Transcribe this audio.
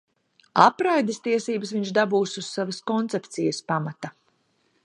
Apraides tiesības viņš dabūs uz savas koncepcijas pamata.